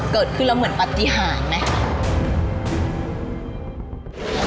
เกิดขึ้นแล้วเหมือนปฏิหารไหม